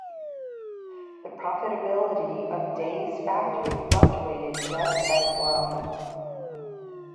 The profitability of Day's factory fluctuated just as wildly.